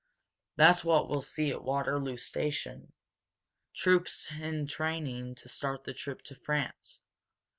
That's what we'll see at Waterloo station troops entraining to start the trip to France.